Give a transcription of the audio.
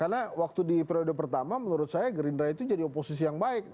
karena waktu di periode pertama menurut saya gerindra itu jadi oposisi yang baik